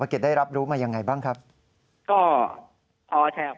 เพราะว่าเราเรียนหลุงเรียนประจำ